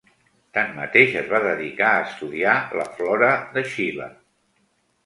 Tanmateix es va dedicar a estudiar la flora de Xile.